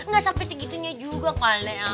gak sampe segitunya juga kali ya